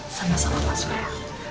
sama sama pak surya